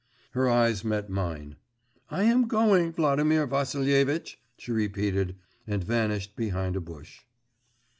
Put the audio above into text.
Her eyes met mine. 'I am going, Vladimir Vassilievitch!' she repeated, and vanished behind a bush.